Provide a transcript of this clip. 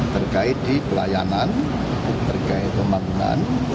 terkait di pelayanan terkait pembangunan